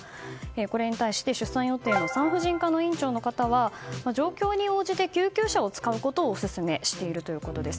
これに対して出産予定の産婦人科院長の方は状況に応じて救急車を使うことをオススメしているということです。